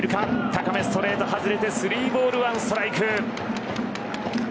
高めストレート外れて３ボール１ストライク。